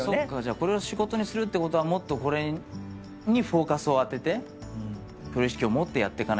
これを仕事にするってことはもっとこれにフォーカスを当ててプロ意識を持ってやっていかなきゃいけない。